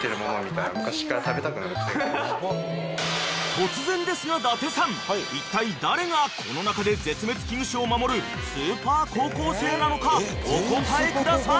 ［突然ですが伊達さんいったい誰がこの中で絶滅危惧種を守るスーパー高校生なのかお答えください］